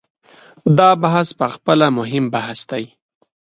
دا بحث په خپله مهم بحث دی.